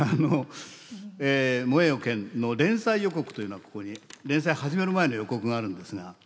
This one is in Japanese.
「燃えよ剣」の連載予告というのはここに連載始める前の予告があるんですが。